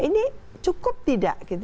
ini cukup tidak